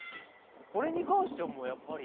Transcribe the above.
これに関してはもうやっぱり。